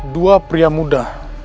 dua pria muda